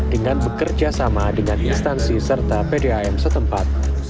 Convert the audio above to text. dengan bekerja sama dengan instansi serta pdam setempat